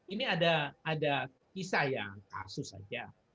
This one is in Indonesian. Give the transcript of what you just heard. ini ada kisah yang kasus saja